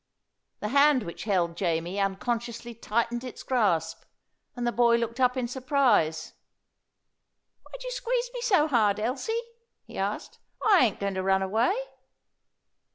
The hand which held Jamie unconsciously tightened its grasp, and the boy looked up in surprise. "Why do you squeeze me so hard, Elsie?" he asked. "I ain't going to run away."